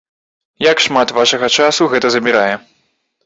Як шмат вашага часу гэта забірае?